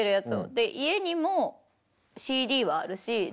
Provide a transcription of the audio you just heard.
で家にもＣＤはあるし